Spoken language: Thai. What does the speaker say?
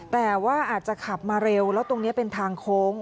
แต่ว่าอาจจะขับมาเร็วแล้วตรงนี้เป็นทางโค้ง